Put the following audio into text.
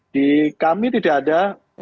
di kami tidak ada